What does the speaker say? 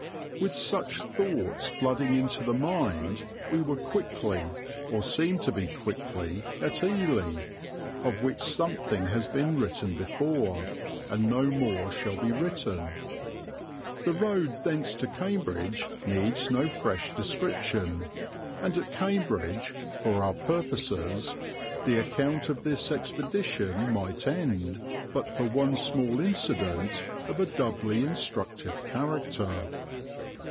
With such thoughts flooding into the mind we were quickly, or seemed to be quickly, at Ely, of which something has been written before, and no more shall be written. The road thence to Cambridge needs no fresh description, and at Cambridge, for our purposes, the account of this expedition might end but for one small incident of a doubly instructive character.